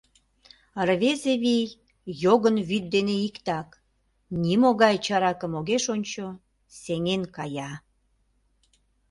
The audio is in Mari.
Рвезе вий йогын вӱд дене иктак: нимогай чаракым огеш ончо, сеҥен кая.